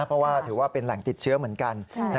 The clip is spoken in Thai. เพราะว่าถือว่าเป็นแหล่งติดเชื้อเหมือนกัน